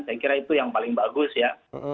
saya kira itu yang paling bagus ya